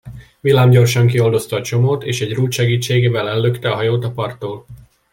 Villámgyorsan kioldozta a csomót, és egy rúd segítségével ellökte a hajót a parttól.